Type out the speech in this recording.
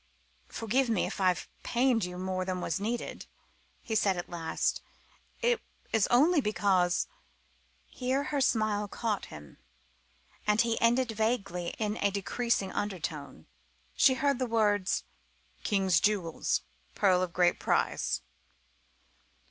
"Forgive me if I've pained you more than was needed," he said at last, "it is only because " here her smile caught him, and he ended vaguely in a decreasing undertone. She heard the words "king's jewels," "pearl of great price."